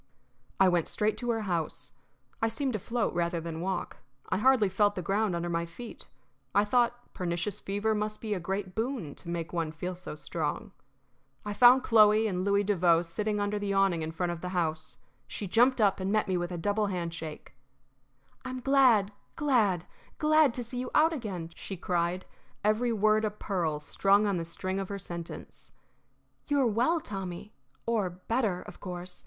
I went straight to her house. I seemed to float rather than walk; I hardly felt the ground under my feet; I thought pernicious fever must be a great boon to make one feel so strong. I found Chloe and Louis Devoe sitting under the awning in front of the house. She jumped up and met me with a double handshake. "I'm glad, glad, glad to see you out again!" she cried, every word a pearl strung on the string of her sentence. "You are well, Tommy or better, of course.